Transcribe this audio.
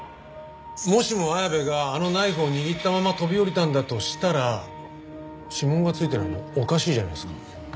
もしも綾部があのナイフを握ったまま飛び降りたんだとしたら指紋がついてないのおかしいじゃないですか。